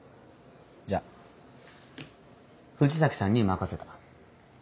じゃあ藤崎さんに任せた。